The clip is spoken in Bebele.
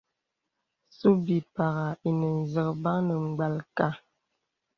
Sùp bìpàghà ìnə zəkbən nə mgbōlka.